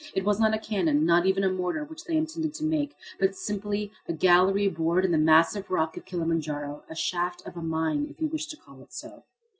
It was not a cannon, not even a mortar, which they intended to make, but simply a gallery bored in the massive rock of Kilimanjaro, a shaft of a mine, if you wish to call it so.